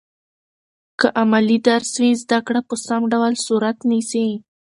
که عملي درس وي، زده کړه په سم ډول صورت نیسي.